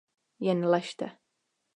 Jen ležte.